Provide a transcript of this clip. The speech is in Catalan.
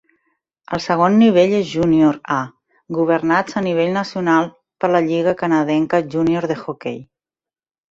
el segon nivell és Junior A, governats a nivell nacional per la Lliga Canadenca Junior de Hockey.